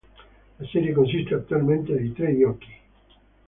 La serie consiste attualmente di tre giochi.